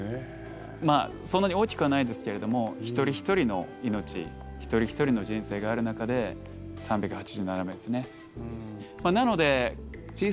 まあそんなに大きくはないですけれども一人一人の命一人一人の人生がある中で３８７名ですね。